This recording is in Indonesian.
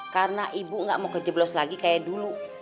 karena ibu gak mau kejeblos lagi kayak dulu